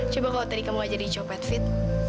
coba kalau tadi kamu aja diicopet fit